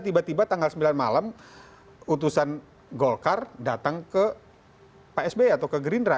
tiba tiba tanggal sembilan malam utusan golkar datang ke pak sby atau ke gerindra